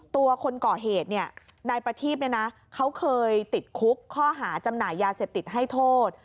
ตัวคนก่อเหตุเนี่ยนายประทีพเขาเคยติดคุกข้อหาจำหน่ายยาเสพติดให้โทษ